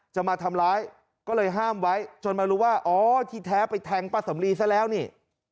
จะมาทำร้ายก็เลยห้ามไว้จนมารู้ว่าอ๋อที่แท้ไปแทงป้าสำลีซะแล้วนี่